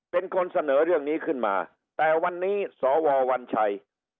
เป็นคนเสนอเรื่องนี้ขึ้นมาแต่วันนี้สววัญชัย